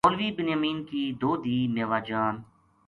مولوی بنیامین کی دو دھی میوہ جان